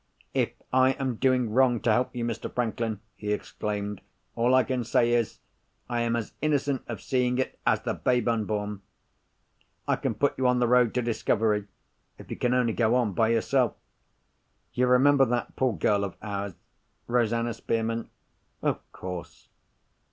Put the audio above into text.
"If I am doing wrong to help you, Mr. Franklin," he exclaimed, "all I can say is—I am as innocent of seeing it as the babe unborn! I can put you on the road to discovery, if you can only go on by yourself. You remember that poor girl of ours—Rosanna Spearman?" "Of course!"